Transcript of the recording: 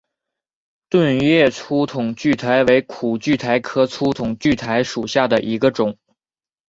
盾叶粗筒苣苔为苦苣苔科粗筒苣苔属下的一个种。